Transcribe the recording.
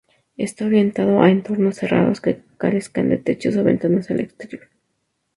Está orientado a entornos cerrados que carezcan de techos o ventanas al exterior.